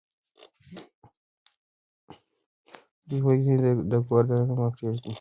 لوګي د کور دننه مه پرېږدئ.